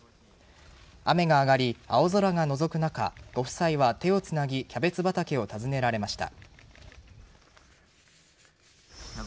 雨が上がり、青空がのぞく中ご夫妻は手をつなぎキャベツ畑を訪ねられました。